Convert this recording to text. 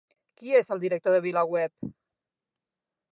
Qui és el director de VilaWeb?